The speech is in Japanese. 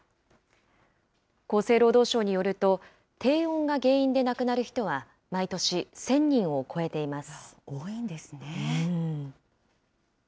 厚生労働省によると、低温が原因で亡くなる人は、毎年１０００人を超えています。